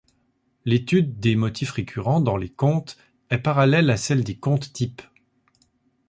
L'étude des motifs récurrents dans les contes est parallèle à celle des contes-types.